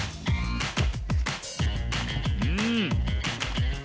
うん。